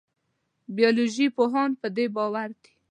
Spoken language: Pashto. بیولوژي پوهان په دې باور دي.